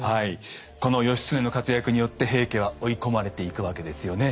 この義経の活躍によって平家は追い込まれていくわけですよね。